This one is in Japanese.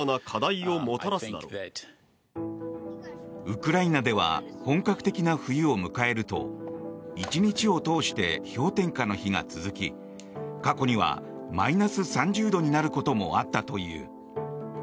ウクライナでは本格的な冬を迎えると１日を通して氷点下の日が続き過去にはマイナス３０度になることもあったという。